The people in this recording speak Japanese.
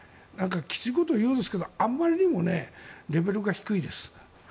きついこと言うようですがあまりにもレベルが低いです。